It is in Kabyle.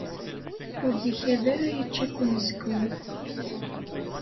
Ur d-ikad ara yečča-k unezgum.